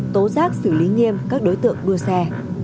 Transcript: và các xử lý nghiêm các đối tượng đua xe